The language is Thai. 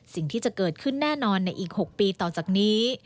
สิ่งที่จะเกิดขึ้นแน่นอนในอีก๖ปีต่อจากนี้